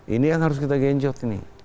ini yang harus kita genjot ini